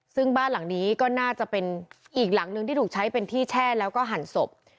ซึ่งบ้านหลังนี้ก็น่าจะเป็นอีกหลังนึงที่ถูกใช้เป็นที่แช่แล้วก็หั่นศพ